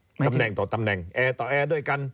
ตำแหน่งต่อตำแหน่งแอร์ต่อแอร์ด้วยกัน